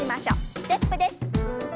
ステップです。